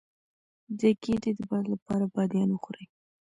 د ګیډې د باد لپاره بادیان وخورئ